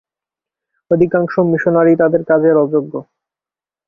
অধিকাংশ মিশনারীই তাদের কাজের অযোগ্য।